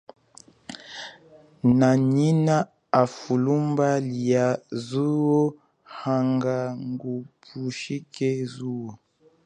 Nanyina hafulumba lia zuwo hanga ngupuchike zuwo.